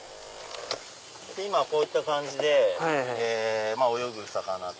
今こういった感じで泳ぐ魚と。